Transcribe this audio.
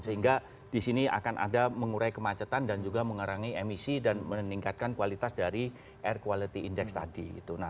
sehingga di sini akan ada mengurai kemacetan dan juga mengerangi emisi dan meningkatkan kualitas dari air quality index tadi